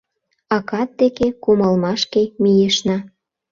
— Акат деке кумалмашке мийышна.